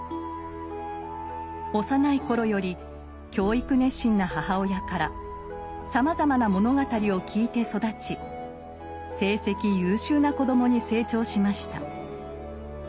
幼い頃より教育熱心な母親からさまざまな物語を聞いて育ち成績優秀な子供に成長しました。